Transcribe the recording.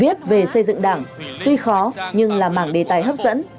viết về xây dựng đảng tuy khó nhưng là mạng đề tài hấp dẫn